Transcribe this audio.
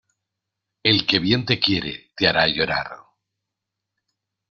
El que bien te quiere te hará llorar.